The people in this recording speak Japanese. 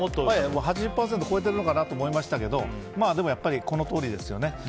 ８０％超えてるのかなと思いましたけどこのとおりですよね。